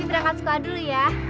berangkat sekolah dulu ya